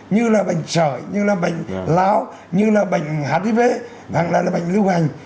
như là bệnh sởi như là bệnh láo như là bệnh hát đi vế hoặc là bệnh lưu hành